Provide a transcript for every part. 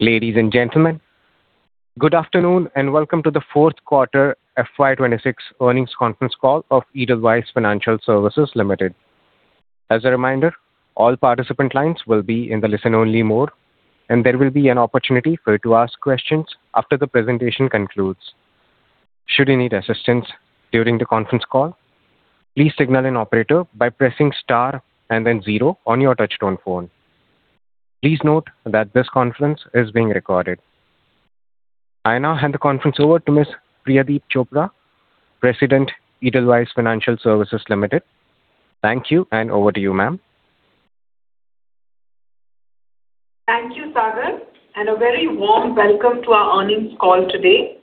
Ladies and gentlemen, good afternoon, and welcome to the fourth quarter FY 2026 earnings conference call of Edelweiss Financial Services Limited. As a reminder, all participant lines will be in the listen-only mode and there will be an opportunity for you to ask questions after the presentation concludes. Should you need assistance during the conference, please signal an operator by pressing star then zero on your touch-tone phone. Please note that this conference is being recorded. I now hand the conference over to Ms. Priyadeep Chopra, President, Edelweiss Financial Services Limited. Thank you, and over to you, ma'am. Thank you, Sagar, and a very warm welcome to our earnings call today.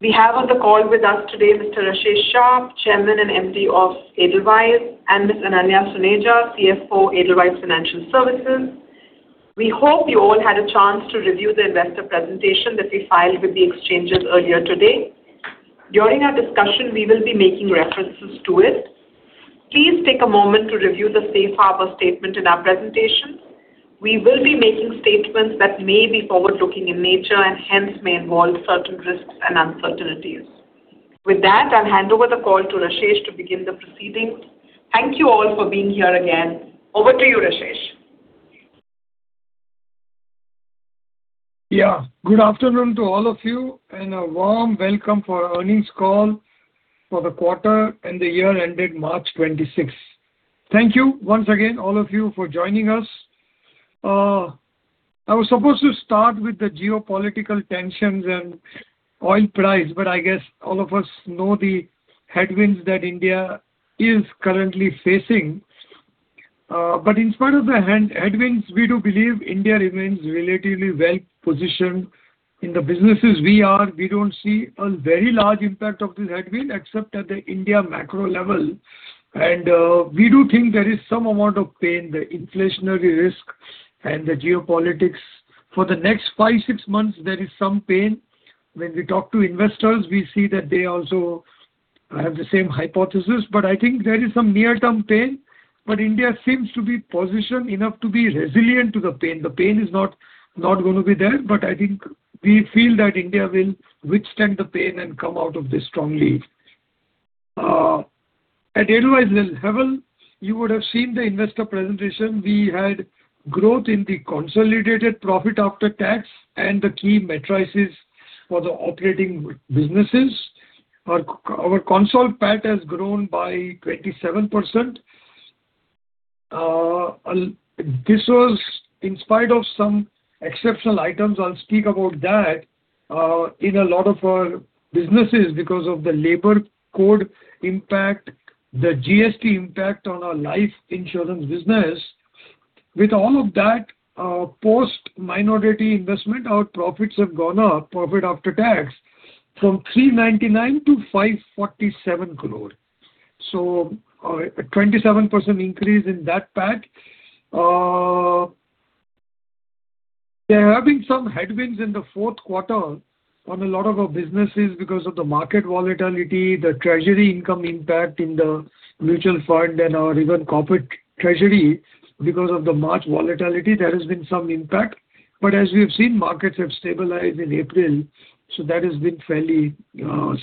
We have on the call with us today Mr. Rashesh Shah, Chairman and MD of Edelweiss, and Ms. Ananya Suneja, CFO, Edelweiss Financial Services. We hope you all had a chance to review the investor presentation that we filed with the exchanges earlier today. During our discussion, we will be making references to it. Please take a moment to review the safe harbor statement in our presentation. We will be making statements that may be forward-looking in nature and hence may involve certain risks and uncertainties. With that, I'll hand over the call to Rashesh to begin the proceedings. Thank you all for being here again. Over to you, Rashesh. Good afternoon to all of you and a warm welcome for earnings call for the quarter and the year ended March 26th. Thank you once again all of you for joining us. I was supposed to start with the geopolitical tensions and oil price. I guess all of us know the headwinds that India is currently facing. In spite of the headwinds, we do believe India remains relatively well-positioned. In the businesses we are, we don't see a very large impact of this headwind, except at the India macro level. We do think there is some amount of pain, the inflationary risk and the geopolitics. For the next five, six months, there is some pain. When we talk to investors, we see that they also have the same hypothesis. I think there is some near-term pain, but India seems to be positioned enough to be resilient to the pain. The pain is not gonna be there, but I think we feel that India will withstand the pain and come out of this strongly. At Edelweiss level, you would have seen the investor presentation. We had growth in the consolidated profit after tax and the key metrics for the operating businesses. Our consol PAT has grown by 27%. This was in spite of some exceptional items. I will speak about that. In a lot of our businesses because of the labor code impact, the GST impact on our life insurance business. With all of that, post-minority investment, our profits have gone up, profit after tax, from 399 crore to 547 crore. A 27% increase in that PAT. There have been some headwinds in the fourth quarter on a lot of our businesses because of the market volatility, the treasury income impact in the mutual fund and our even corporate treasury. Because of the March volatility, there has been some impact. As we've seen, markets have stabilized in April, so that has been fairly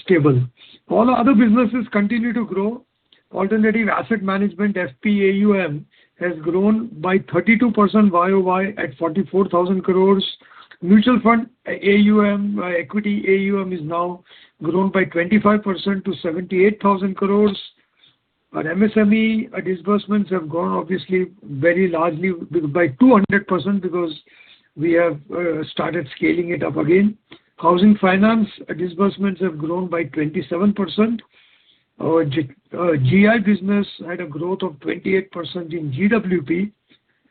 stable. All our other businesses continue to grow. Alternative asset management, FPAUM, has grown by 32% YoY at 44,000 crores. Mutual fund AUM, equity AUM is now grown by 25% to 78,000 crores. Our MSME disbursements have grown obviously very largely by 200% because we have started scaling it up again. Housing finance disbursements have grown by 27%. Our GI business had a growth of 28% in GWP,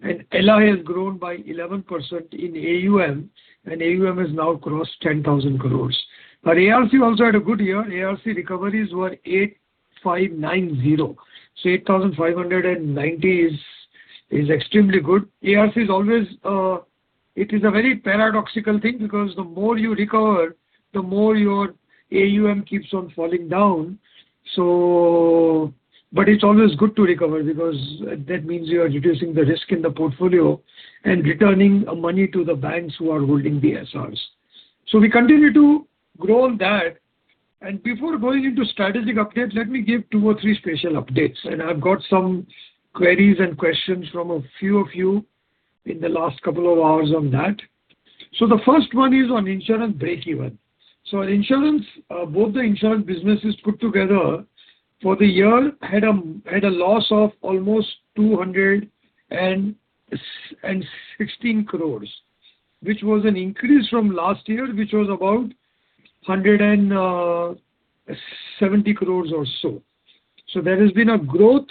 and LI has grown by 11% in AUM, and AUM has now crossed 10,000 crores. Our ARC also had a good year. ARC recoveries were 8,590. 8,590 is extremely good. ARC is always. It is a very paradoxical thing because the more you recover, the more your AUM keeps on falling down. It is always good to recover because that means you are reducing the risk in the portfolio and returning money to the banks who are holding SRs. We continue to grow on that. Before going into strategic updates, let me give two or three special updates. I have got some queries and questions from a few of you in the last couple of hours on that. The first one is on insurance breakeven. Our insurance, both the insurance businesses put together for the year had a loss of almost 216 crores, which was an increase from last year, which was about 170 crores or so. There has been a growth.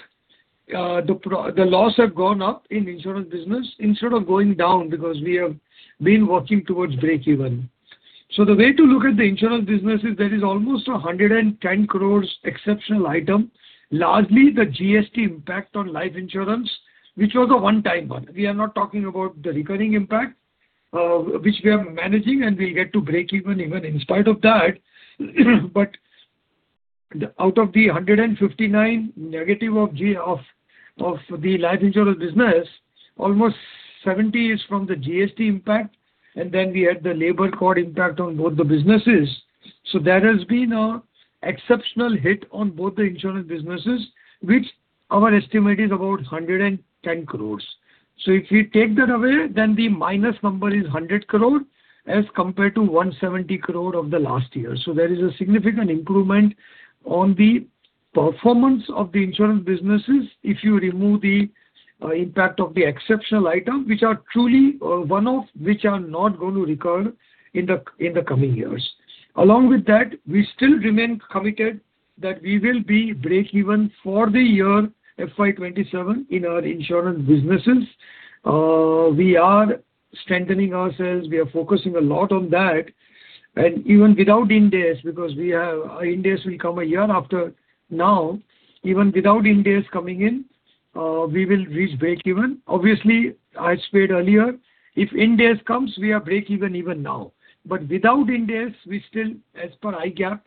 The loss have gone up in insurance business instead of going down because we have been working towards breakeven. The way to look at the insurance business is there is almost 110 crores exceptional item, largely the GST impact on life insurance, which was a one-time one. We are not talking about the recurring impact, which we are managing, and we'll get to breakeven even in spite of that. Out of the 159 negative of the life insurance business, almost 70 is from the GST impact, and then we had the labor code impact on both the businesses. There has been a exceptional hit on both the insurance businesses, which our estimate is about 110 crores. If we take that away, then the minus number is 100 crore as compared to 170 crore of the last year. There is a significant improvement on the performance of the insurance businesses if you remove the impact of the exceptional item, which are truly one-off, which are not going to recur in the coming years. Along with that, we still remain committed that we will be breakeven for the year FY 2027 in our insurance businesses. We are strengthening ourselves. We are focusing a lot on that. Even without Ind AS, our Ind AS will come a year after now. Even without Ind AS coming in, we will reach breakeven. Obviously, I said earlier, if Ind AS comes, we are breakeven even now. Without Ind AS, we still as per IGAAP,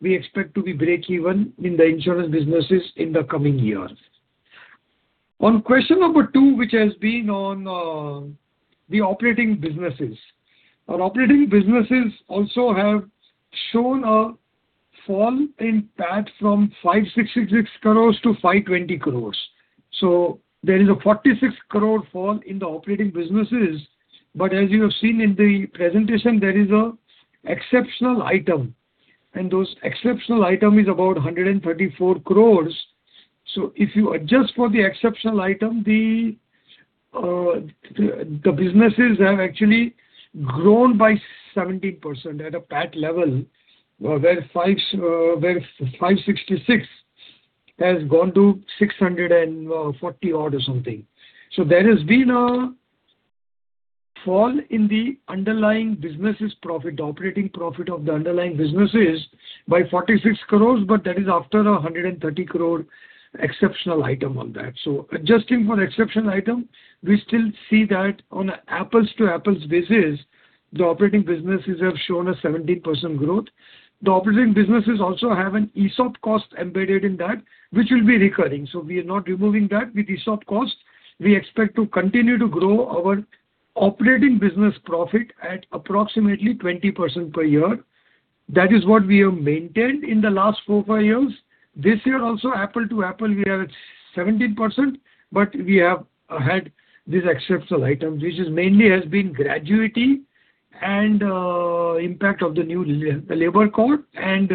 we expect to be breakeven in the insurance businesses in the coming years. On question number two, which has been on the operating businesses. Our operating businesses also have shown a fall in PAT from 566 crores to 520 crores. There is a 46 crore fall in the operating businesses. As you have seen in the presentation, there is a exceptional item, and those exceptional item is about 134 crores. If you adjust for the exceptional item, the businesses have actually grown by 17% at a PAT level, where 566 has gone to 640 odd or something. There has been a fall in the underlying business's profit, operating profit of the underlying businesses by 46 crores, but that is after an 130 crore exceptional item on that. Adjusting for exceptional item, we still see that on an apples to apples basis, the operating businesses have shown a 17% growth. The operating businesses also have an ESOP cost embedded in that, which will be recurring. We are not removing that. With ESOP costs, we expect to continue to grow our operating business profit at approximately 20% per year. That is what we have maintained in the last four, five years. This year also, apple to apple, we are at 17%, we have had these exceptional items, which is mainly has been gratuity and impact of the new labor code and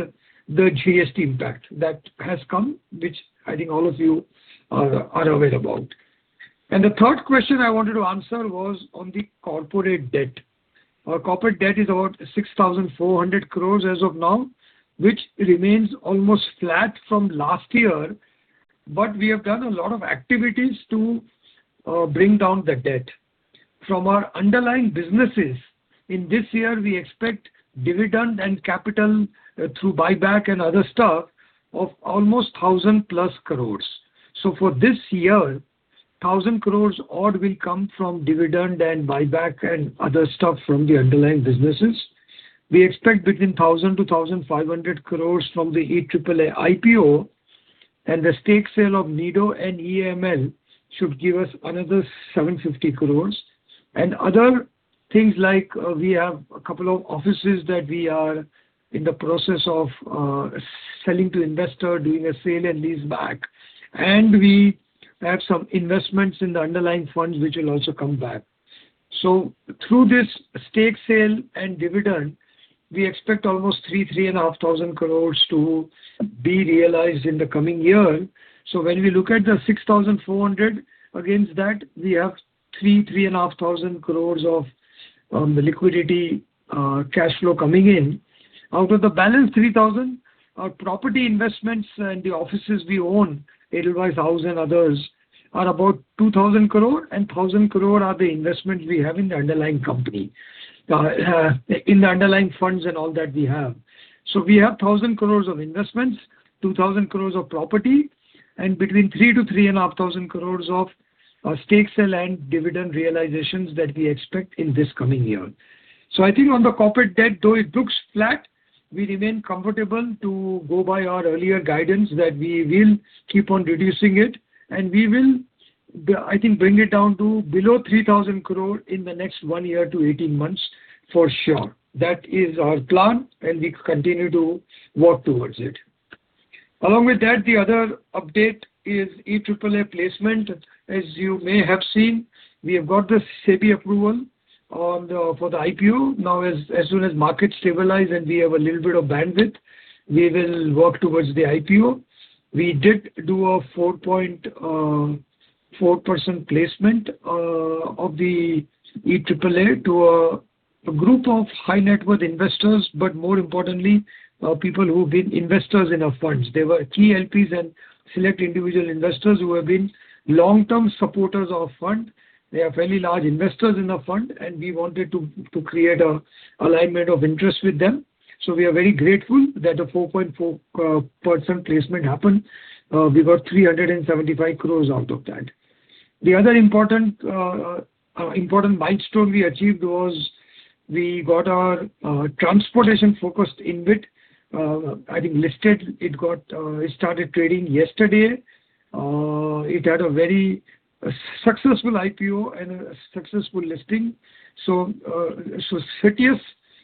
the GST impact that has come, which I think all of you are aware about. The third question I wanted to answer was on the corporate debt. Our corporate debt is about 6,400 crores as of now, which remains almost flat from last year. We have done a lot of activities to bring down the debt. From our underlying businesses, in this year, we expect dividend and capital through buyback and other stuff of almost 1,000+ crores. For this year, 1,000 crores odd will come from dividend and buyback and other stuff from the underlying businesses. We expect between 1,000 crore-1,500 crore from the EAAA IPO and the stake sale of Nido and EML should give us another 750 crore. Other things like, we have a couple of offices that we are in the process of selling to investor, doing a sale and lease back. We have some investments in the underlying funds which will also come back. Through this stake sale and dividend, we expect almost 3,500 crore to be realized in the coming year. When we look at the 6,400 crore against that, we have 3,500 crore of the liquidity, cash flow coming in. Out of the balance 3,000, our property investments and the offices we own, Edelweiss House and others, are about 2,000 crore and 1,000 crore are the investment we have in the underlying company in the underlying funds and all that we have. We have 1,000 crore of investments, 2,000 crore of property, and between 3,000-3,500 crore of stake sale and dividend realizations that we expect in this coming year. I think on the corporate debt, though it looks flat, we remain comfortable to go by our earlier guidance that we will keep on reducing it and we will I think bring it down to below 3,000 crore in the next one year to 18 months for sure. That is our plan, and we continue to work towards it. The other update is EAAA placement. You may have seen, we have got the SEBI approval for the IPO. As soon as markets stabilize and we have a little bit of bandwidth, we will work towards the IPO. We did do a 4.4% placement of the EAAA to a group of high net worth investors, more importantly, people who've been investors in our funds. They were key LPs and select individual investors who have been long-term supporters of fund. They are fairly large investors in our fund, and we wanted to create a alignment of interest with them. We are very grateful that a 4.4% placement happened. We got 375 crores out of that. The other important milestone we achieved was we got our transportation-focused InvIT, I think listed. It got, it started trading yesterday. It had a very successful IPO and a successful listing. Citius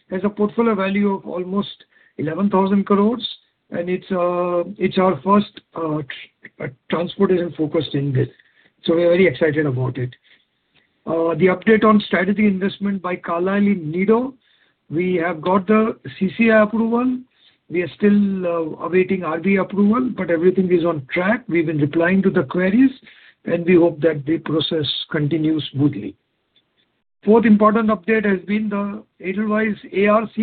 has a portfolio value of almost 11,000 crores, and it's our first transportation-focused InvIT, so we're very excited about it. The update on strategy investment by Carlyle in Nido, we have got the CCI approval. We are still awaiting RBI approval, but everything is on track. We've been replying to the queries, and we hope that the process continues smoothly. Fourth important update has been the Edelweiss ARC.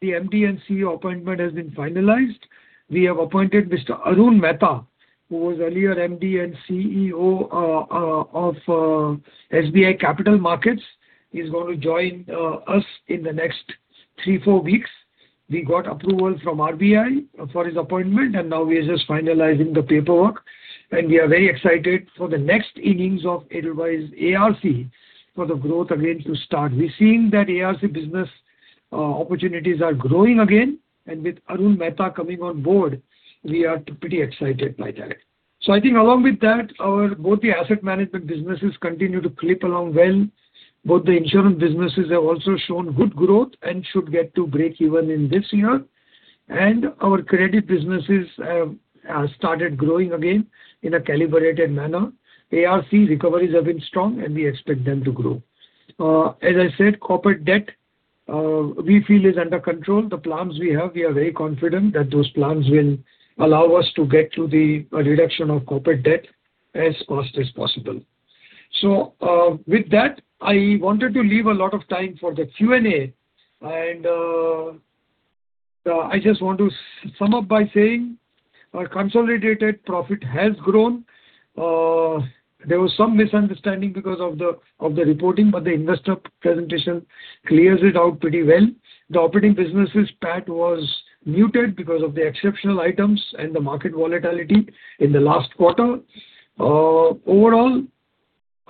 The MD and CEO appointment has been finalized. We have appointed Mr. Arun Mehta, who was earlier MD and CEO of SBI Capital Markets. He's going to join us in the next three, four weeks. We got approval from RBI for his appointment, and now we are just finalizing the paperwork. We are very excited for the next innings of Edelweiss ARC for the growth again to start. We are seeing that ARC business opportunities are growing again. With Arun Mehta coming on board, we are pretty excited by that. I think along with that, our both the asset management businesses continue to clip along well. Both the insurance businesses have also shown good growth and should get to breakeven in this year. Our credit businesses have started growing again in a calibrated manner. ARC recoveries have been strong, and we expect them to grow. As I said, corporate debt, we feel is under control. The plans we have, we are very confident that those plans will allow us to get to the reduction of corporate debt as fast as possible. With that, I wanted to leave a lot of time for the Q&A. I just want to sum up by saying our consolidated profit has grown. There was some misunderstanding because of the reporting, but the investor presentation clears it out pretty well. The operating businesses PAT was muted because of the exceptional items and the market volatility in the last quarter. Overall,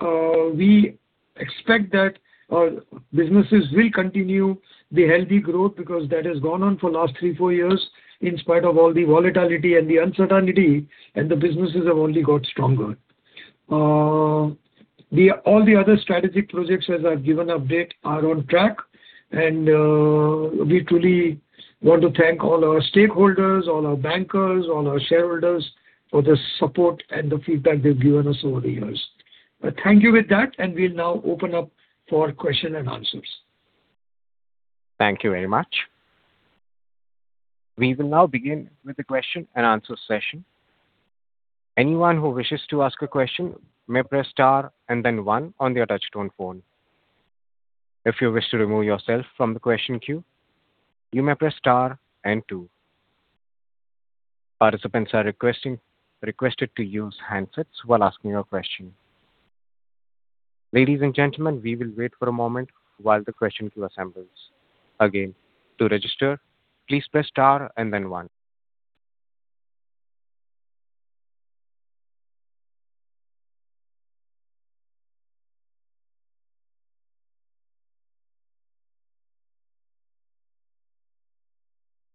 we expect that our businesses will continue the healthy growth because that has gone on for last three, four years in spite of all the volatility and the uncertainty, and the businesses have only got stronger. All the other strategic projects, as I've given update, are on track. We truly want to thank all our stakeholders, all our bankers, all our shareholders for the support and the feedback they've given us over the years. Thank you with that, and we'll now open up for question and answers. Thank you very much. We will now begin with the question-and-answer session. Anyone who wishes to ask a question may press star and then one on their touchtone phone. If you wish to remove yourself from the question queue, you may press star and two. Participants are requested to use handsets while asking your question. Ladies and gentlemen, we will wait for a moment while the question queue assembles. Again, to register, please press star and then one.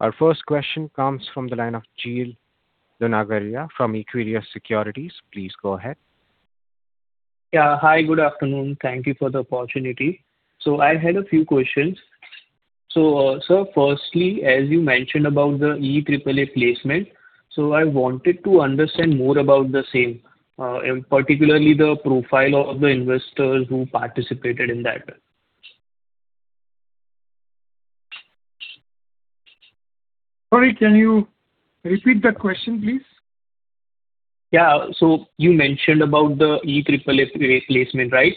Our first question comes from the line of Jil Dungarwalla from Equirus Securities. Please go ahead. Yeah. Hi, good afternoon. Thank you for the opportunity. I had a few questions. Sir, firstly, as you mentioned about the EAAA placement, I wanted to understand more about the same and particularly the profile of the investors who participated in that. Sorry, can you repeat the question, please? Yeah. You mentioned about the EAAA placement, right?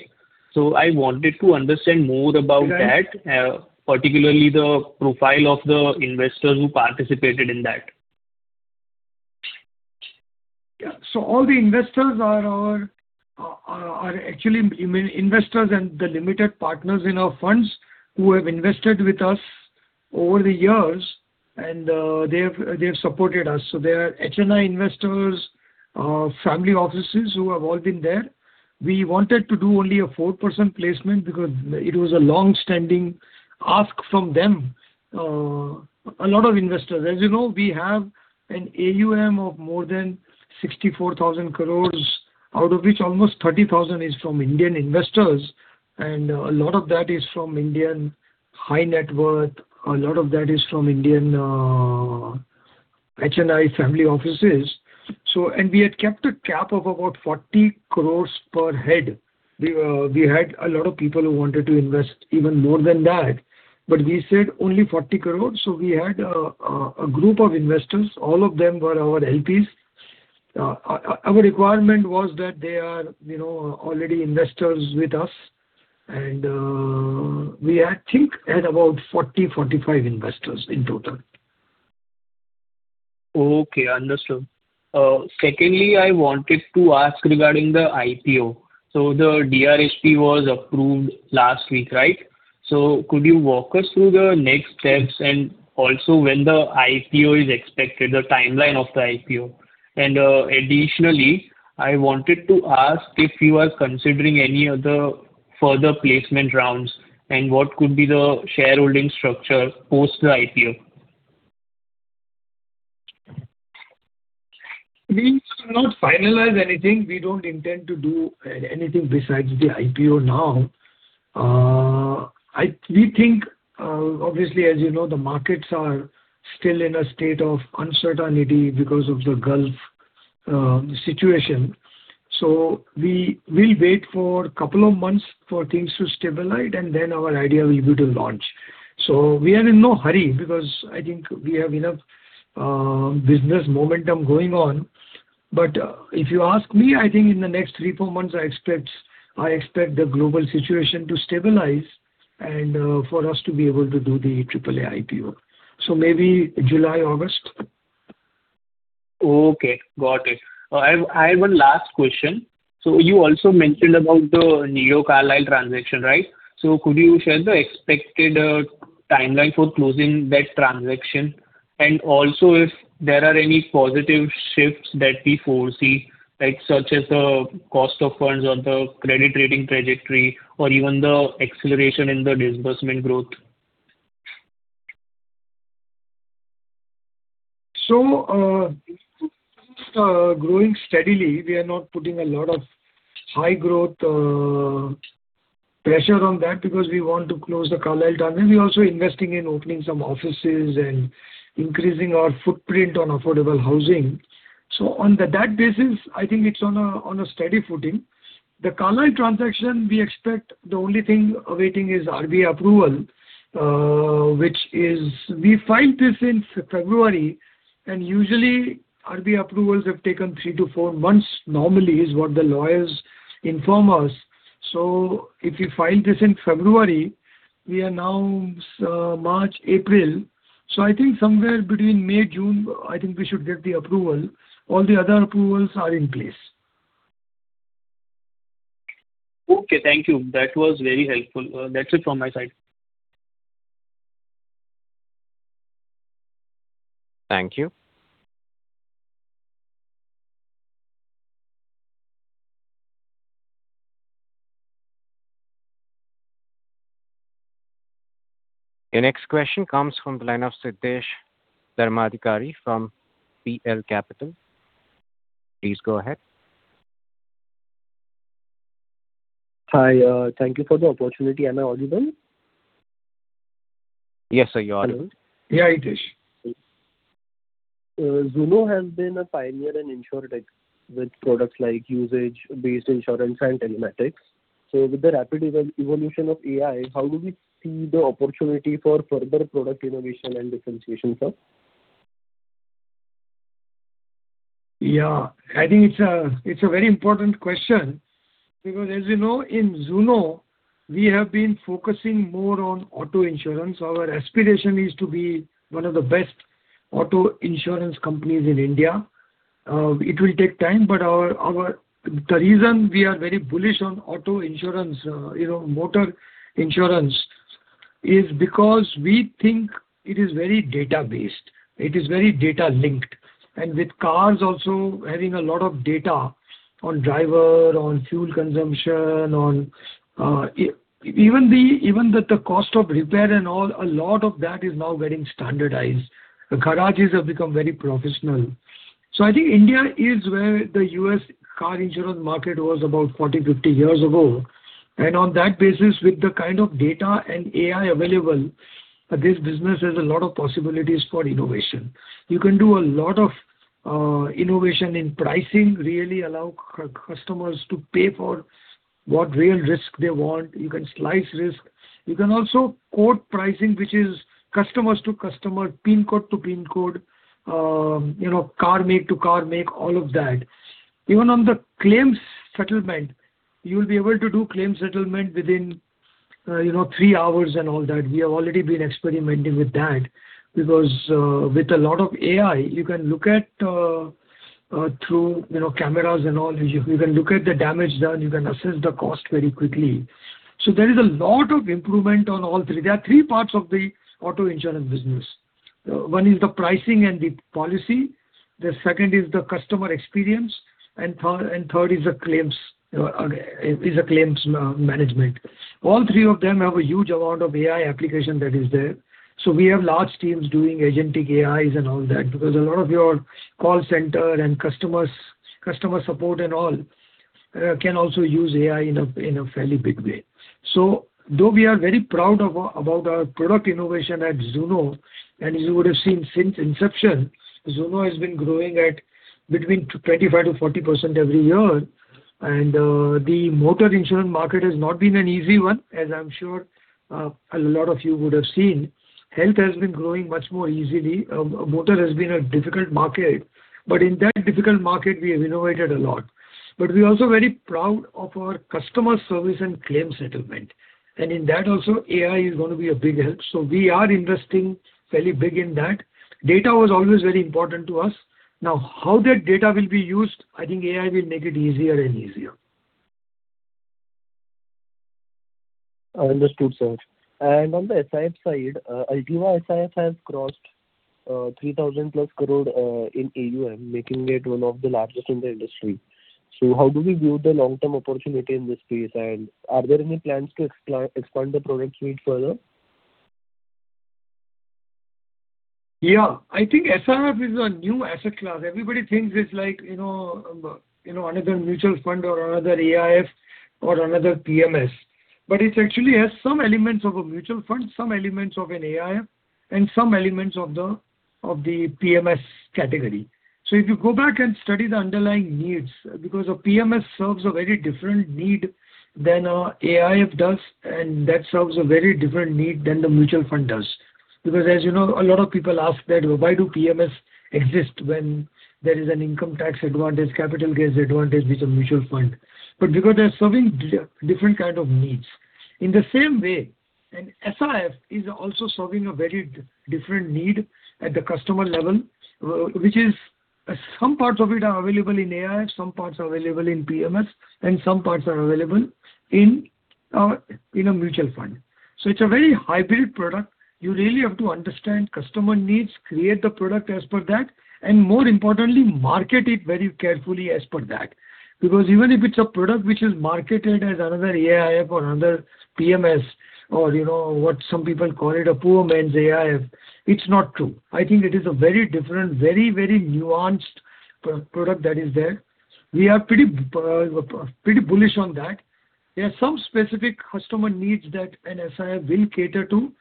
I wanted to understand more about that. Right. Particularly the profile of the investors who participated in that. Yeah. All the investors are our, are actually investors and the limited partners in our funds who have invested with us over the years. They've supported us. They are HNI investors, family offices who have all been there. We wanted to do only a 4% placement because it was a long-standing ask from them. A lot of investors. As you know, we have an AUM of more than 64,000 crores, out of which almost 30,000 is from Indian investors, and a lot of that is from Indian high net worth. A lot of that is from Indian HNI family offices. We had kept a cap of about 40 crores per head. We, we had a lot of people who wanted to invest even more than that, but we said only 40 crores. We had a group of investors. All of them were our LPs. Our requirement was that they are, you know, already investors with us. We, I think, had about 40, 45 investors in total. Okay, understood. Secondly, I wanted to ask regarding the IPO. The DRHP was approved last week, right? So could you walk us through the next steps and also when the IPO is expected, the timeline of the IPO? Additionally, I wanted to ask if you are considering any other further placement rounds and what could be the shareholding structure post the IPO. We've not finalized anything. We don't intend to do anything besides the IPO now. We think, obviously, as you know, the markets are still in a state of uncertainty because of the Gulf situation. We will wait for two months for things to stabilize, and then our idea will be to launch. We are in no hurry because I think we have enough business momentum going on. If you ask me, I think in the next three, four months, I expect the global situation to stabilize and for us to be able to do the AAA IPO. Maybe July, August. Okay. Got it. I have one last question. You also mentioned about the Nido-Carlyle transaction, right? Could you share the expected timeline for closing that transaction? Also if there are any positive shifts that we foresee, like, such as the cost of funds or the credit rating trajectory or even the acceleration in the disbursement growth. Growing steadily, we are not putting a lot of high growth pressure on that because we want to close the Carlyle term. We're also investing in opening some offices and increasing our footprint on affordable housing. On the that basis, I think it's on a steady footing. The Carlyle transaction, we expect the only thing awaiting is RBI approval, which is we filed this in February, and usually RBI approvals have taken three to four months normally, is what the lawyers inform us. If you file this in February, we are now, sir, March, April. I think somewhere between May, June, I think we should get the approval. All the other approvals are in place. Okay. Thank you. That was very helpful. That's it from my side. Thank you. The next question comes from the line of Siddhesh Dharmadhikari from B&K Capital. Please go ahead. Hi. Thank you for the opportunity. Am I audible? Yes, sir, you are. Yeah, Siddhesh. Zuno has been a pioneer in InsurTech with products like usage-based insurance and telematics. With the rapid evolution of AI, how do we see the opportunity for further product innovation and differentiation, sir? Yeah. I think it's a very important question because as you know, in Zuno, we have been focusing more on auto insurance. Our aspiration is to be one of the best auto insurance companies in India. It will take time, but our the reason we are very bullish on auto insurance, you know, motor insurance is because we think it is very data-based. It is very data-linked. With cars also having a lot of data on driver, on fuel consumption, on even the cost of repair and all, a lot of that is now getting standardized. The garages have become very professional. I think India is where the U.S. car insurance market was about 40, 50 years ago. On that basis, with the kind of data and AI available, this business has a lot of possibilities for innovation. You can do a lot of innovation in pricing, really allow customers to pay for what real risk they want. You can slice risk. You can also quote pricing, which is customers to customer, pin code to pin code, you know, car make to car make, all of that. Even on the claims settlement, you'll be able to do claims settlement within, you know, three hours and all that. We have already been experimenting with that because with a lot of AI, you can look at through, you know, cameras and all. You can look at the damage done. You can assess the cost very quickly. There is a lot of improvement on all three. There are three parts of the auto insurance business. One is the pricing and the policy. The second is the customer experience. Third is the claims management. All three of them have a huge amount of AI application that is there. We have large teams doing agentic AIs and all that because a lot of your call center and customers, customer support and all can also use AI in a fairly big way. Though we are very proud of our, about our product innovation at Zuno, and as you would have seen since inception, Zuno has been growing at between 25%-40% every year. The motor insurance market has not been an easy one, as I'm sure a lot of you would have seen. Health has been growing much more easily. Motor has been a difficult market. In that difficult market, we have innovated a lot. We're also very proud of our customer service and claims settlement. In that also, AI is going to be a big help. We are investing fairly big in that. Data was always very important to us. How that data will be used, I think AI will make it easier and easier. Understood, sir. On the SIF side, Altiva SIF has crossed 3,000+ crore in AUM, making it one of the largest in the industry. How do we view the long-term opportunity in this space? Are there any plans to expand the product suite further? Yeah. I think SIF is a new asset class. Everybody thinks it's like, you know, you know, another mutual fund or another AIF or another PMS. It actually has some elements of a mutual fund, some elements of an AIF, and some elements of the, of the PMS category. If you go back and study the underlying needs, because a PMS serves a very different need than a AIF does, and that serves a very different need than the mutual fund does. As you know, a lot of people ask that why do PMS exist when there is an income tax advantage, capital gains advantage with a mutual fund? Because they're serving different kind of needs. In the same way, an SIF is also serving a very different need at the customer level, which is some parts of it are available in AIF, some parts are available in PMS, and some parts are available in a mutual fund. It's a very hybrid product. You really have to understand customer needs, create the product as per that, and more importantly, market it very carefully as per that. Even if it's a product which is marketed as another AIF or another PMS or, you know, what some people call it a poor man's AIF, it's not true. I think it is a very different, very nuanced product that is there. We are pretty bullish on that. There are some specific customer needs that an SIF will cater to,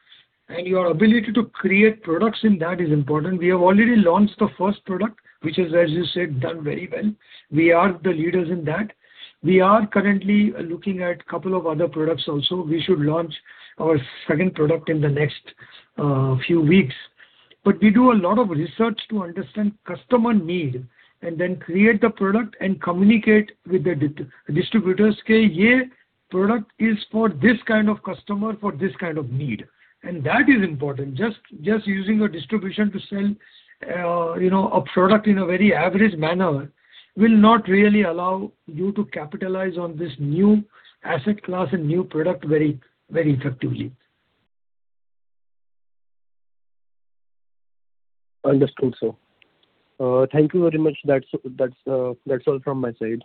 and your ability to create products in that is important. We have already launched the first product, which has, as you said, done very well. We are the leaders in that. We are currently looking at couple of other products also. We should launch our second product in the next few weeks. We do a lot of research to understand customer need and then create the product and communicate with the distributors, say, "Yeah, product is for this kind of customer, for this kind of need." That is important. Just using a distribution to sell, you know, a product in a very average manner will not really allow you to capitalize on this new asset class and new product very, very effectively. Understood, sir. Thank you very much. That's all from my side.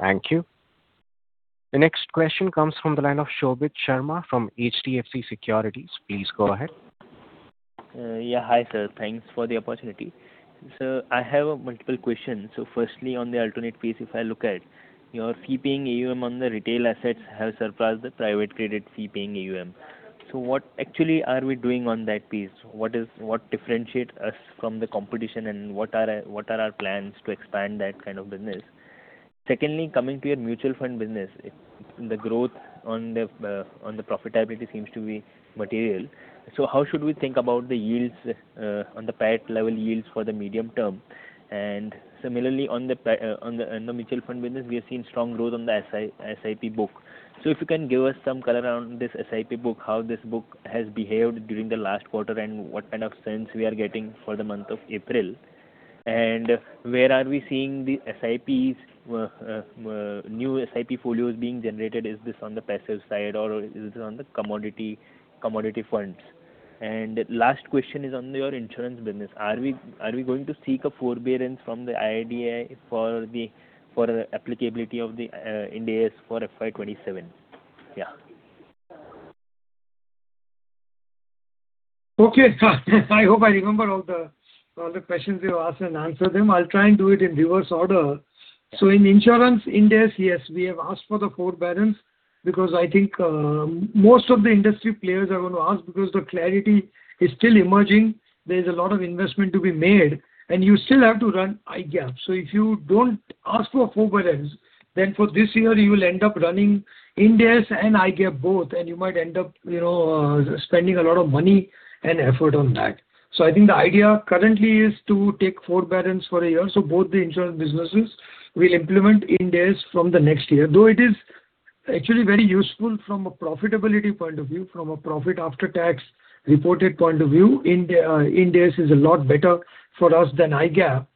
Thank you. The next question comes from the line of Shobhit Sharma from HDFC Securities. Please go ahead. Hi, sir. Thanks for the opportunity. I have multiple questions. Firstly, on the alternate piece, if I look at your fee-paying AUM on the retail assets have surpassed the private credit fee-paying AUM. What actually are we doing on that piece? What differentiate us from the competition, and what are our plans to expand that kind of business? Secondly, coming to your mutual fund business, the growth on the profitability seems to be material. How should we think about the yields on the PAT level yields for the medium term? Similarly, on the mutual fund business, we have seen strong growth on the SI-SIP book. If you can give us some color on this SIP book, how this book has behaved during the last quarter, and what kind of sense we are getting for the month of April. Where are we seeing the SIPs, new SIP folios being generated? Is this on the passive side or is it on the commodity funds? Last question is on your insurance business. Are we going to seek a forbearance from the IRDAI for the applicability of the Ind AS for FY 2027? Yeah. Okay. I hope I remember all the questions you asked and answer them. I'll try and do it in reverse order. In insurance Ind AS, yes, we have asked for the forbearance because I think most of the industry players are going to ask because the clarity is still emerging. There's a lot of investment to be made, and you still have to run IFRS. If you don't ask for a forbearance, then for this year you will end up running Ind AS and IFRS both, and you might end up, you know, spending a lot of money and effort on that. I think the idea currently is to take forbearance for a year, so both the insurance businesses will implement Ind AS from the next year. Though it is actually very useful from a profitability point of view, from a profit after tax reported point of view, Ind AS is a lot better for us than IFRS.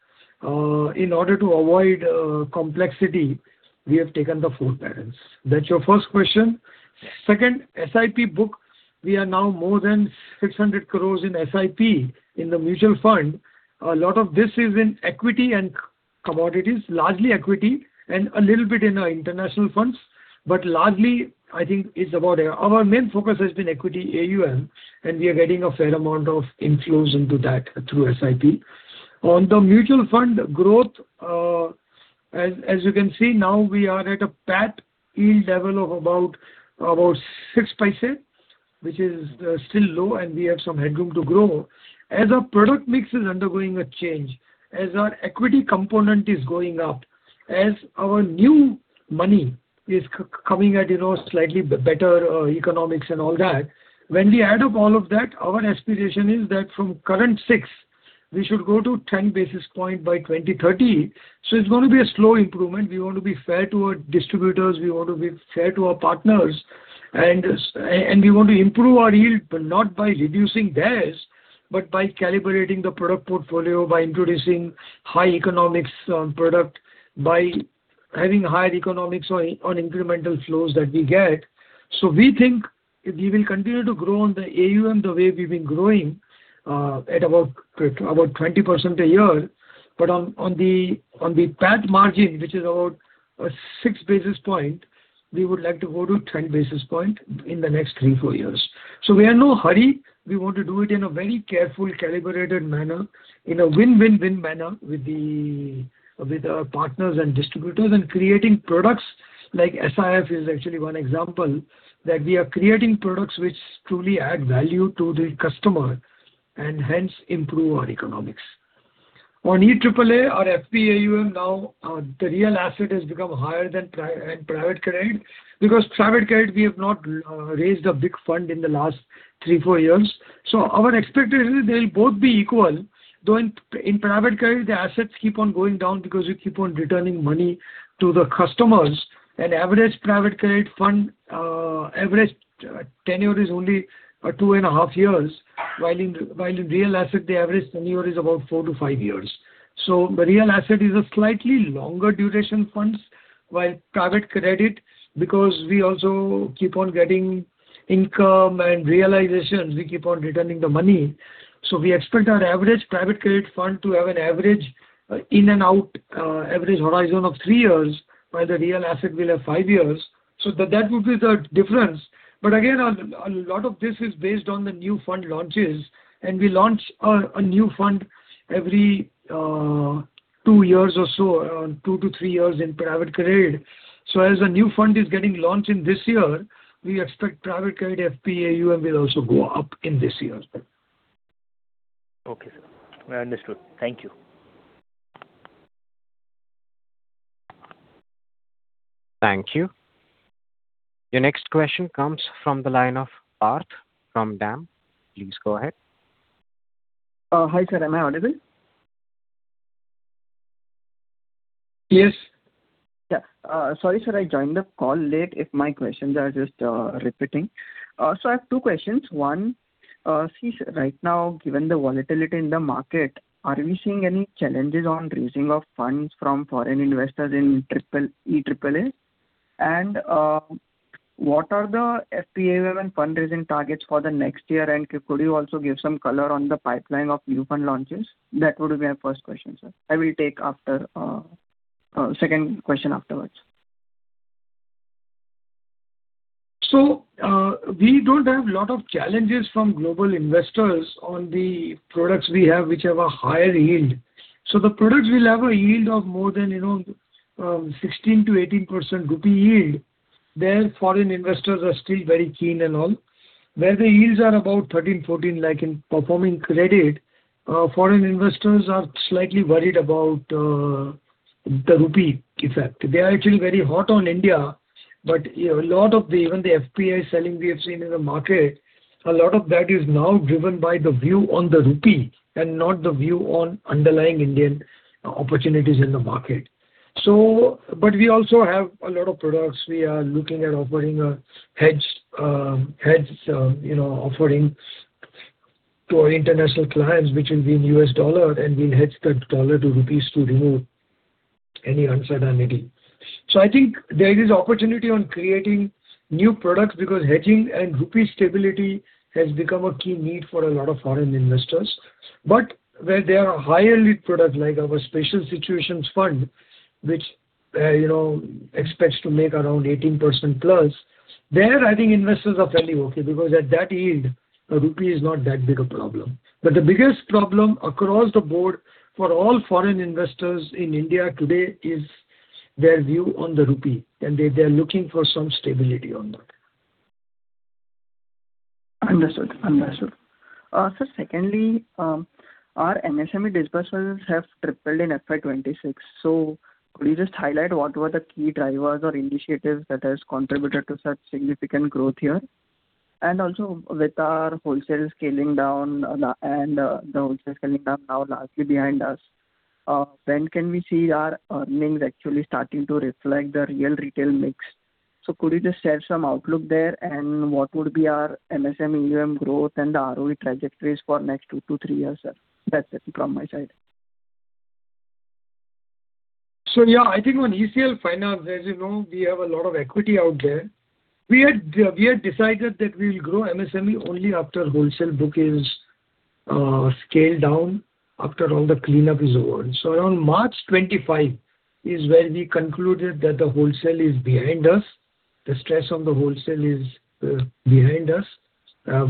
In order to avoid complexity, we have taken the forbearance. That's your first question. Second, SIP book, we are now more than 600 crores in SIP in the mutual fund. A lot of this is in equity and commodities, largely equity and a little bit in our international funds. Largely, I think it's about. Our main focus has been equity AUM, and we are getting a fair amount of inflows into that through SIP. On the mutual fund growth, as you can see now, we are at a PAT yield level of about 0.06, which is still low, and we have some headroom to grow. As our product mix is undergoing a change, as our equity component is going up, as our new money is coming at, you know, slightly better economics and all that, when we add up all of that, our aspiration is that from current 6 we should go to 10 basis points by 2030. It's gonna be a slow improvement. We want to be fair to our distributors, we want to be fair to our partners, and we want to improve our yield, but not by reducing DARS, but by calibrating the product portfolio, by introducing high economics product, by having higher economics on incremental flows that we get. We think we will continue to grow on the AUM the way we've been growing, at about 20% a year. On, on the, on the PAT margin, which is about 6 basis points, we would like to go to 10 basis points in the next three, four years. We are in no hurry. We want to do it in a very careful, calibrated manner. In a win-win-win manner with the, with our partners and distributors. Creating products like SIF is actually one example, that we are creating products which truly add value to the customer and hence improve our economics. On EAAA, our FPAUM now, the real asset has become higher than private credit, because private credit we have not raised a big fund in the last three, four years. Our expectation is they'll both be equal. Though in private credit, the assets keep on going down because you keep on returning money to the customers. An average private credit fund, average tenure is only 2.5 years, while in real asset the average tenure is about four to five years. The real asset is a slightly longer duration funds, while private credit, because we also keep on getting income and realizations, we keep on returning the money. We expect our average private credit fund to have an average in and out average horizon of three years, while the real asset will have five years. That would be the difference. But again, a lot of this is based on the new fund launches, and we launch a new fund every two years or so, two to three years in private credit. As a new fund is getting launched in this year, we expect private credit FPAUM will also go up in this year. Okay, sir. I understood. Thank you. Thank you. Your next question comes from the line of Parth from DAM. Please go ahead. Hi, sir. Am I audible? Yes. Yeah. Sorry, sir, I joined the call late, if my questions are just repeating. I have two questions. One, see right now, given the volatility in the market, are we seeing any challenges on raising of funds from foreign investors in EAAA? What are the FPAUM and fundraising targets for the next year? Could you also give some color on the pipeline of new fund launches? That would be my first question, sir. I will take after second question afterwards. We don't have a lot of challenges from global investors on the products we have which have a higher yield. The products will have a yield of more than, you know, 16%-18% rupee yield. There foreign investors are still very keen and all. Where the yields are about 13%, 14%, like in performing credit, foreign investors are slightly worried about the rupee effect. They are actually very hot on India, you know, even the FPI selling we have seen in the market, a lot of that is now driven by the view on the rupee and not the view on underlying Indian opportunities in the market. We also have a lot of products. We are looking at offering a hedge, you know, offering to our international clients, which will be in US dollar, and we'll hedge the dollar to rupees to remove any uncertainty. I think there is opportunity on creating new products because hedging and rupees stability has become a key need for a lot of foreign investors. Where there are higher yield product, like our special situations fund, which, you know, expects to make around 18%+, there I think investors are fairly okay because at that yield the rupees is not that big a problem. The biggest problem across the board for all foreign investors in India today is their view on the INR, and they are looking for some stability on that. Understood. Understood. Sir, secondly, our MSME disbursements have tripled in FY 2026. Could you just highlight what were the key drivers or initiatives that has contributed to such significant growth here? Also with our wholesale scaling down, and the wholesale scaling down now largely behind us, when can we see our earnings actually starting to reflect the real retail mix? Could you just share some outlook there, and what would be our MSME loan growth and the ROE trajectories for next two to three years, sir? That's it from my side. Yeah, I think on ECL Finance, as you know, we have a lot of equity out there. We had decided that we'll grow MSME only after wholesale book is scaled down, after all the cleanup is over. Around March 2025 is when we concluded that the wholesale is behind us. The stress on the wholesale is behind us.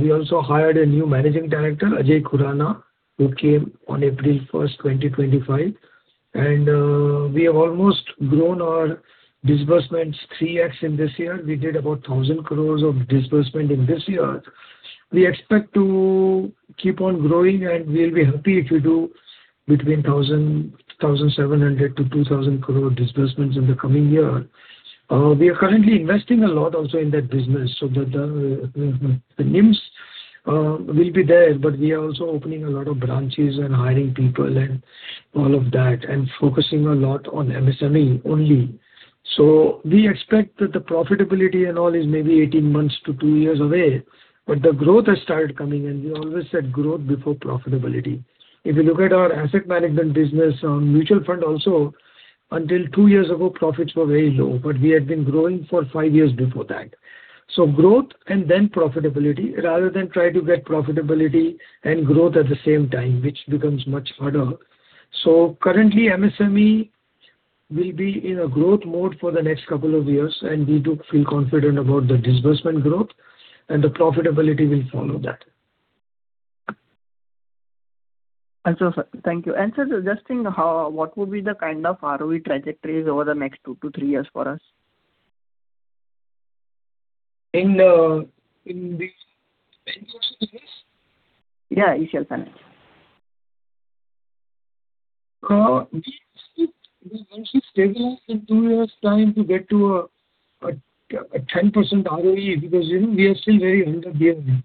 We also hired a new Managing Director, Ajay Khurana, who came on April first, 2025. We have almost grown our disbursements 3x in this year. We did about 1,000 crores of disbursement in this year. We expect to keep on growing, and we'll be happy if we do between 1,700 crore-2,000 crore disbursements in the coming year. We are currently investing a lot also in that business so that the NIMs will be there, but we are also opening a lot of branches and hiring people and all of that, and focusing a lot on MSME only. We expect that the profitability and all is maybe 18 months to two years away, but the growth has started coming, and we always said growth before profitability. If you look at our asset management business on mutual fund also, until two years ago, profits were very low, but we had been growing for five years before that. Growth and then profitability rather than try to get profitability and growth at the same time, which becomes much harder. Currently, MSME will be in a growth mode for the next couple of years, and we do feel confident about the disbursement growth and the profitability will follow that. Understood. Thank you. Sir, what would be the kind of ROE trajectories over the next two to three years for us? In these next two, three years? Yeah, you said that. We should stabilize in two years' time to get to a 10% ROE because, you know, we are still very under BMB.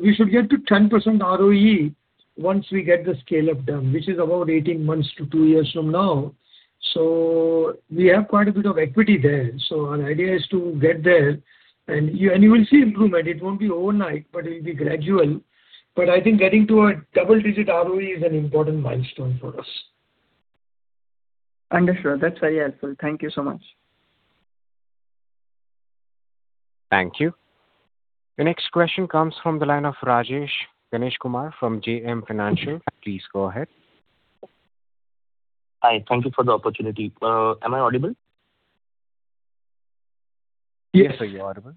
We should get to 10% ROE once we get the scale-up done, which is about 18 months to two years from now. We have quite a bit of equity there. Our idea is to get there and you will see improvement. It won't be overnight, but it'll be gradual. I think getting to a double-digit ROE is an important milestone for us. Understood. That's very helpful. Thank you so much. Thank you. The next question comes from the line of Rajesh Ganeshkumar from JM Financial. Please go ahead. Hi. Thank you for the opportunity. Am I audible? Yes, sir. You're audible.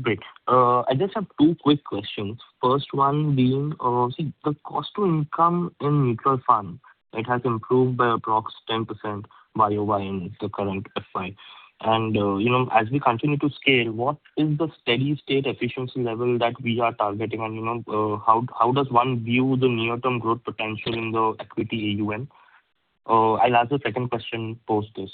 Great. I just have two quick questions. First one being, see, the cost to income in mutual fund, it has improved by approx 10% YoY in the current FY. You know, as we continue to scale, what is the steady-state efficiency level that we are targeting? You know, how does one view the near-term growth potential in the equity AUM? I'll ask the second question post this.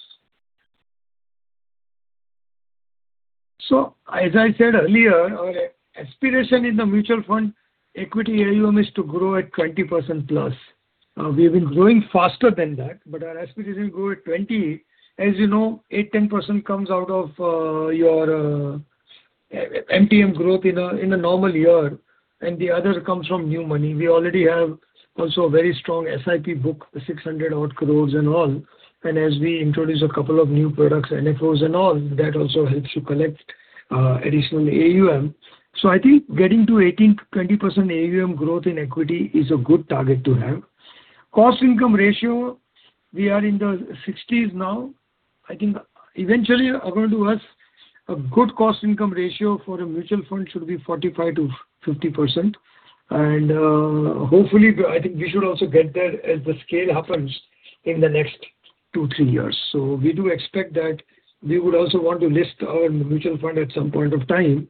As I said earlier, our aspiration in the mutual fund equity AUM is to grow at 20%+. We've been growing faster than that, but our aspiration grow at 20%. As you know, 8%-10% comes out of your MTM growth in a normal year, and the other comes from new money. We already have also a very strong SIP book, 600-odd crores and all. As we introduce a couple of new products, NFOs and all, that also helps you collect additional AUM. I think getting to 18%-20% AUM growth in equity is a good target to have. Cost income ratio, we are in the 60s now. I think eventually, according to us, a good cost income ratio for a mutual fund should be 45%-50%. Hopefully, I think we should also get there as the scale happens in the next three, three years. We do expect that. We would also want to list our mutual fund at some point of time.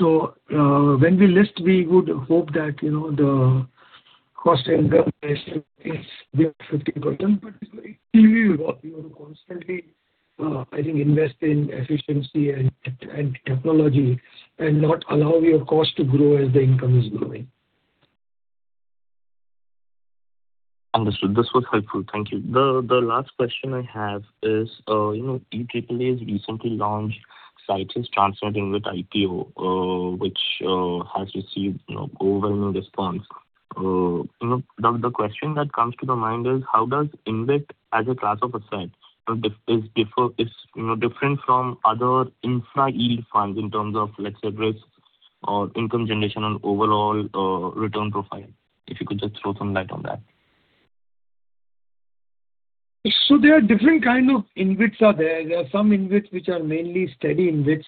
When we list, we would hope that, you know, the cost income ratio is below 50%. It's very clearly what we will constantly, I think invest in efficiency and technology and not allow your cost to grow as the income is growing. Understood. This was helpful. Thank you. The last question I have is, you know, AAA has recently launched Citius TransNet with IPO, which has received, you know, overwhelming response. You know, the question that comes to the mind is: How does InvIT as a class of asset, you know, different from other infra yield funds in terms of, let's say, risk or income generation and overall, return profile? If you could just throw some light on that. There are different kind of InvITs are there. There are some InvITs which are mainly steady InvITs.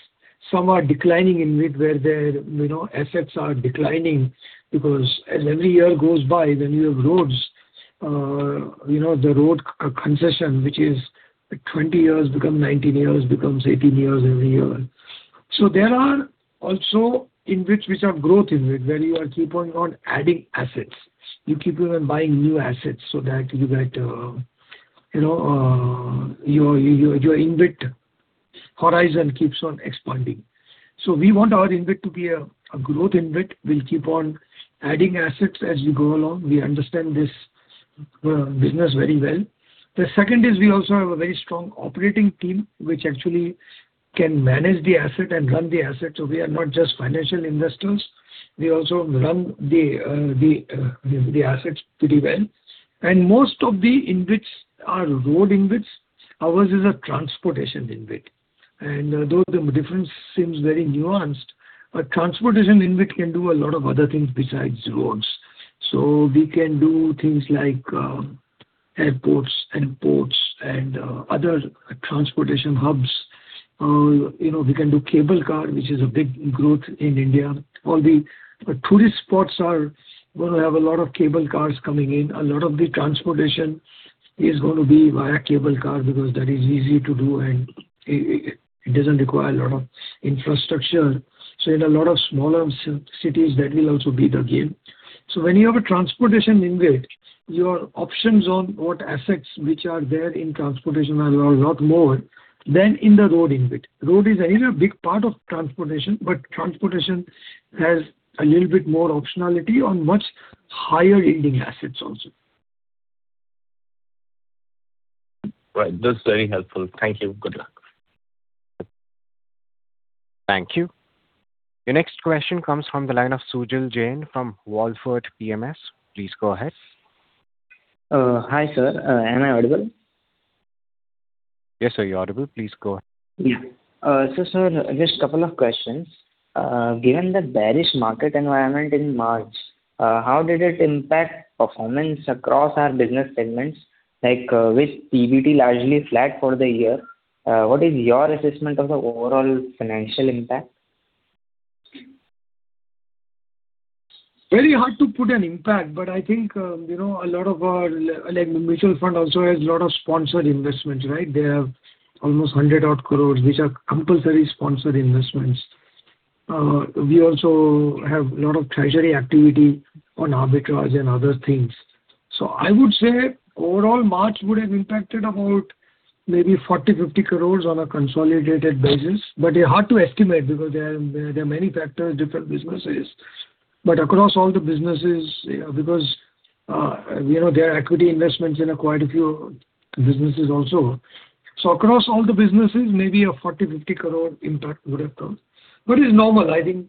Some are declining InvIT where their, you know, assets are declining because as every year goes by, when you have roads, you know, the road concession, which is 20 years become 19 years, becomes 18 years every year. There are also InvITs which are growth InvIT, where you are keep on adding assets. You keep on buying new assets so that you get, you know, your, your InvIT horizon keeps on expanding. We want our InvIT to be a growth InvIT. We'll keep on adding assets as we go along. We understand this business very well. The second is we also have a very strong operating team, which actually can manage the asset and run the asset. We are not just financial investors. We also run the assets pretty well. Most of the InvITs are road InvITs. Ours is a transportation InvIT. Though the difference seems very nuanced, a transportation InvIT can do a lot of other things besides roads. We can do things like airports and ports and other transportation hubs. You know, we can do cable car, which is a big growth in India. All the tourist spots are gonna have a lot of cable cars coming in. A lot of the transportation is going to be via cable car because that is easy to do and it doesn't require a lot of infrastructure. In a lot of smaller cities, that will also be the game. When you have a transportation InvIT, your options on what assets which are there in transportation are a lot more than in the road InvIT. Road is a, you know, big part of transportation, but transportation has a little bit more optionality on much higher yielding assets also. Right. That's very helpful. Thank you. Good luck. Thank you. Your next question comes from the line of Sujal Jain from Wallfort PMS. Please go ahead. Hi, sir. Am I audible? Yes, sir, you're audible. Please go ahead. Yeah. Sir, just a couple of questions. Given the bearish market environment in March, how did it impact performance across our business segments? Like, which PBT largely flagged for the year, what is your assessment of the overall financial impact? Very hard to put an impact, but I think, you know, a lot of our, like, mutual fund also has a lot of sponsored investments, right? They have almost 100-odd crores, which are compulsory sponsored investments. We also have a lot of treasury activity on arbitrage and other things. I would say overall March would have impacted about maybe 40 crores, 50 crores on a consolidated basis. They're hard to estimate because there are many factors, different businesses. Across all the businesses, you know, because, you know, there are equity investments in quite a few businesses also. Across all the businesses, maybe an 40 crore, 50 crore impact would have come. It's normal. I think,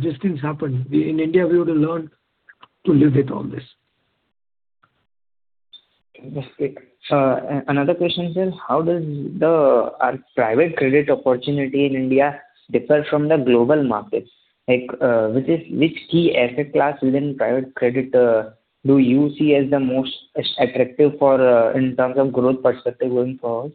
these things happen. In India, we have to learn to live with all this. That's great. Another question is, how does the private credit opportunity in India differ from the global markets? Like, which key asset class within private credit do you see as the most attractive for in terms of growth perspective going forward?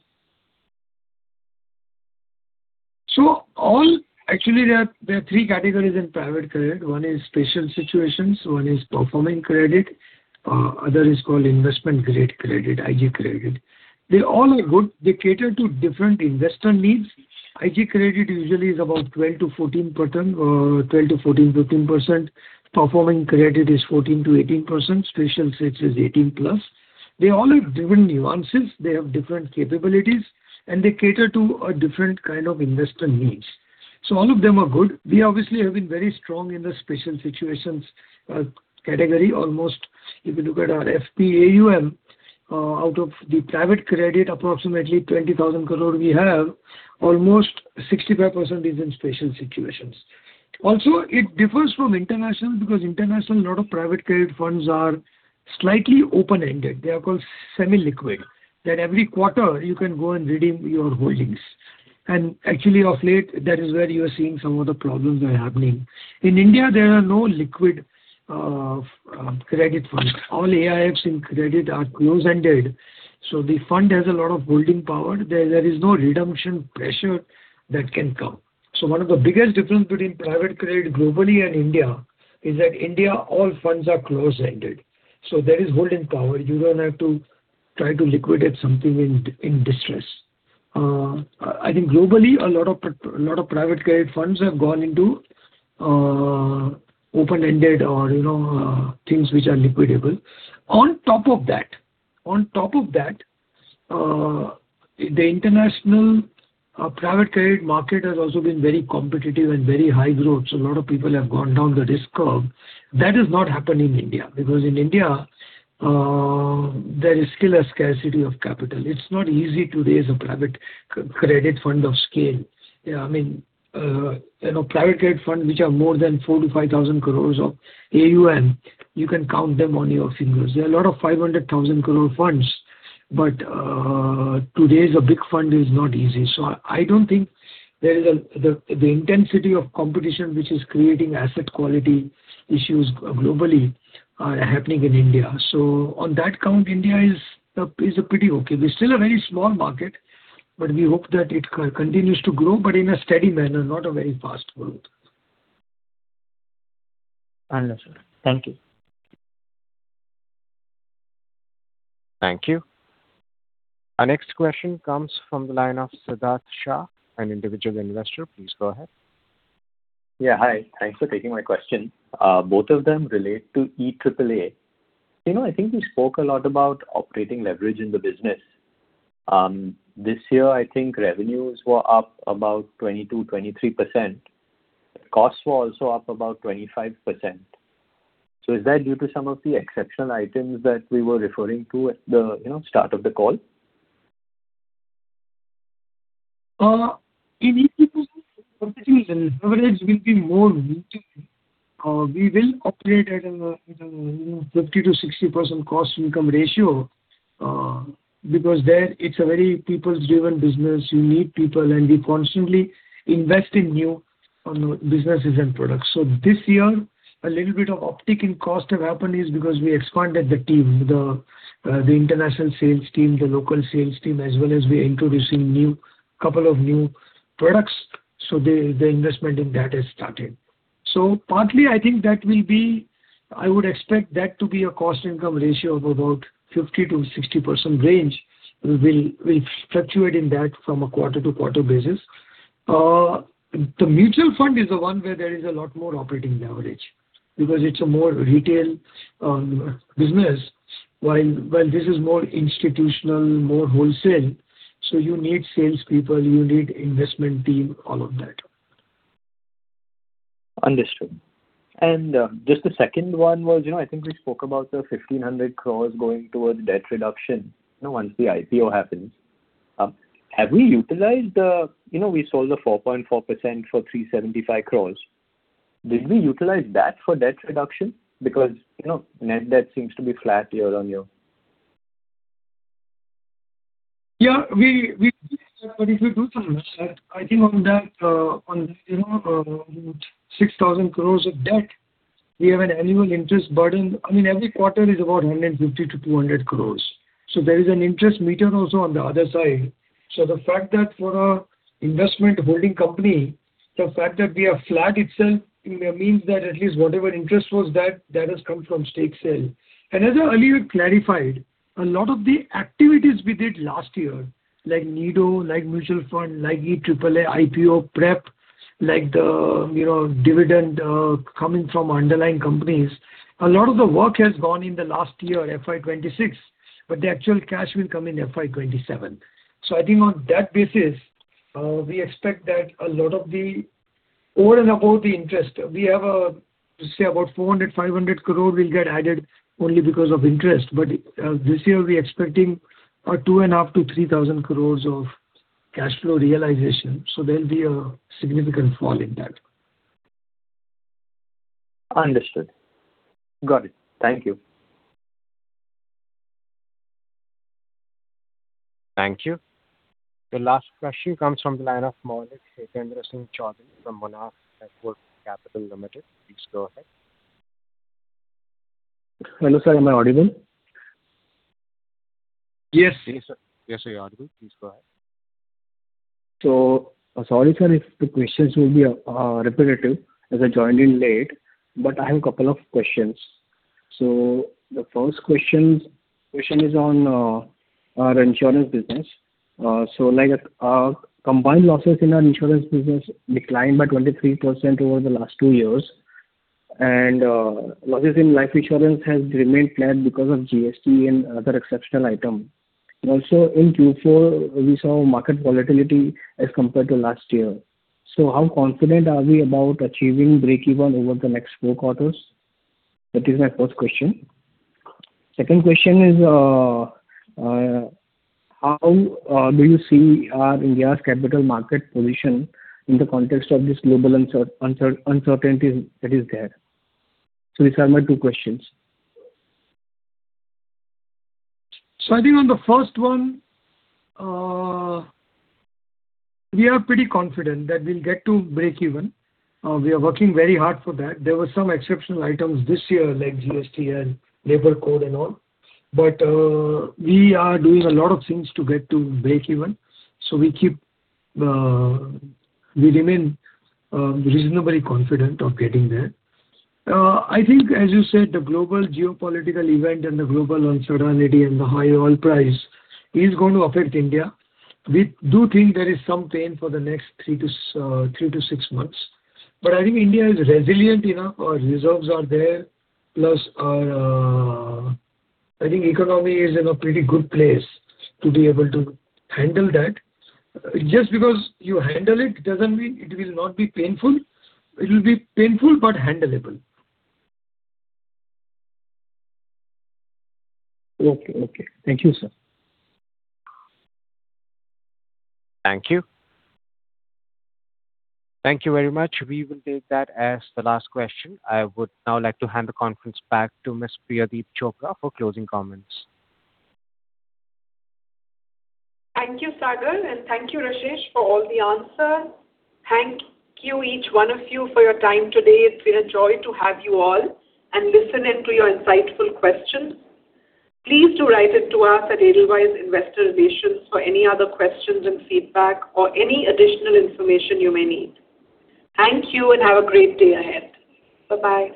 Actually, there are three categories in private credit. One is special situations, one is performing credit, other is called investment grade credit, IG credit. They all are good. They cater to different investor needs. IG credit usually is about 12%-14%, 12%-14%, 15%. Performing credit is 14%-18%. Special sits is 18%+. They all have different nuances. They have different capabilities, and they cater to a different kind of investor needs. All of them are good. We obviously have been very strong in the special situations category. Almost, if you look at our FP AUM out of the private credit, approximately 20,000 crore we have, almost 65% is in special situations. Also, it differs from international because international, a lot of private credit funds are slightly open-ended. They are called semi-liquid, that every quarter you can go and redeem your holdings. Actually of late, that is where you are seeing some of the problems are happening. In India, there are no liquid credit funds. All AIFs in credit are close-ended, so the fund has a lot of holding power. There is no redemption pressure that can come. One of the biggest difference between private credit globally and India is that India, all funds are close-ended. There is holding power. You don't have to try to liquidate something in distress. I think globally, a lot of private credit funds have gone into open-ended or, you know, things which are liquidable. On top of that, the international private credit market has also been very competitive and very high growth, a lot of people have gone down the risk curve. That has not happened in India, because in India, there is still a scarcity of capital. It's not easy to raise a private credit fund of scale. I mean, you know, private credit funds which are more than 4,000 crores-INR5,000 crores of AUM, you can count them on your fingers. There are a lot of 500,000 crore funds, but to raise a big fund is not easy. I don't think there is the intensity of competition which is creating asset quality issues globally are happening in India. On that count, India is a pretty okay. We're still a very small market, but we hope that it continues to grow, but in a steady manner, not a very fast growth. Understood. Thank you. Thank you. Our next question comes from the line of Siddharth Shah, an individual investor. Please go ahead. Yeah, hi. Thanks for taking my question. Both of them relate to EAAA. You know, I think we spoke a lot about operating leverage in the business. This year, I think revenues were up about 22%-23%. Costs were also up about 25%. Is that due to some of the exceptional items that we were referring to at the, you know, start of the call? In EAAA, competition and leverage will be more routine. We will operate at a, you know, 50%-60% cost-income ratio because there it's a very people's driven business. You need people, and we constantly invest in new businesses and products. This year, a little bit of uptick in cost have happened is because we expanded the team, the international sales team, the local sales team, as well as we are introducing couple of new products. The investment in that has started. Partly, I think I would expect that to be a cost-income ratio of about 50%-60% range. We will fluctuate in that from a quarter-to-quarter basis. The mutual fund is the one where there is a lot more operating leverage because it's a more retail business. This is more institutional, more wholesale, so you need sales people, you need investment team, all of that. Understood. Just the second one was, you know, I think we spoke about the 1,500 crore going towards debt reduction, you know, once the IPO happens. You know, we sold the 4.4% for 375 crore. Did we utilize that for debt reduction? You know, net debt seems to be flat year-on-year. We did that. If we do some math, I think on that, on 6,000 crore of debt, we have an annual interest burden. Every quarter is about 150 crore-200 crore. There is an interest meter also on the other side. The fact that for a investment holding company, the fact that we are flat itself means that at least whatever interest was that has come from stake sale. As I earlier clarified, a lot of the activities we did last year, like Nido, like mutual fund, like EAAA IPO prep, like the dividend coming from underlying companies. A lot of the work has gone in the last year, FY 2026, the actual cash will come in FY 2027. I think on that basis, we expect that all in all the interest, we have about 400 crore-500 crore will get added only because of interest. This year we're expecting 2,500 crore-3,000 crore of cash flow realization. There'll be a significant fall in that. Understood. Got it. Thank you. Thank you. The last question comes from the line of Maulik Chaudhary from Monarch Networth Capital Limited. Please go ahead. Hello, sir. Am I audible? Yes. Yes, sir. Yes, sir, you're audible. Please go ahead. Sorry, sir, if the questions will be repetitive as I joined in late, but I have a couple of questions. The first question is on our insurance business. So like, our combined losses in our insurance business declined by 23% over the last two years. Losses in life insurance has remained flat because of GST and other exceptional item. Also in Q4, we saw market volatility as compared to last year. How confident are we about achieving breakeven over the next four quarters? That is my first question. Second question is, how do you see India's capital market position in the context of this global uncertainty that is there? These are my two questions. I think on the first one, we are pretty confident that we'll get to breakeven. We are working very hard for that. There were some exceptional items this year like GST and labor code and all. We are doing a lot of things to get to breakeven. We remain reasonably confident of getting there. I think as you said, the global geopolitical event and the global uncertainty and the high oil price is going to affect India. We do think there is some pain for the next three to six months. I think India is resilient enough. Our reserves are there. Plus, I think economy is in a pretty good place to be able to handle that. Just because you handle it doesn't mean it will not be painful. It will be painful but handleable. Okay. Okay. Thank you, sir. Thank you. Thank you very much. We will take that as the last question. I would now like to hand the conference back to Miss Priyadeep Chopra for closing comments. Thank you, Sagar, and thank you, Rashesh, for all the answers. Thank you each one of you for your time today. It has been a joy to have you all and listen in to your insightful questions. Please do write in to us at Edelweiss Investor Relations for any other questions and feedback or any additional information you may need. Thank you and have a great day ahead. Bye-bye.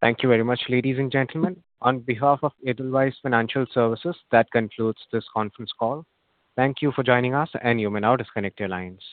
Thank you very much, ladies and gentlemen. On behalf of Edelweiss Financial Services, that concludes this conference call. Thank you for joining us, and you may now disconnect your lines.